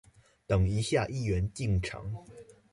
等一下議員進場